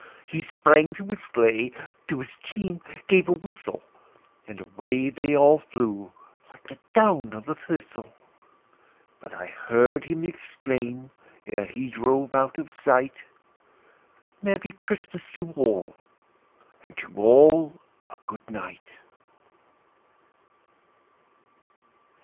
He sprang to his sleigh, to his team gave a whistle, And away they all flew like the down of a thistle; But I heard him exclaim, ere he drove out of sight, "Merry Christmas to all, and to all a good night!"